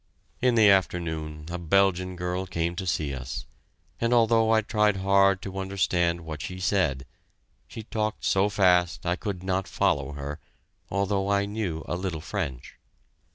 In the afternoon a Belgian girl came to see us, and although I tried hard to understand what she said, she talked so fast I could not follow her, although I knew a little French.